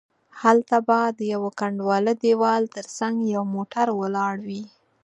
هلته به د یوه کنډواله دیوال تر څنګه یو موټر ولاړ وي.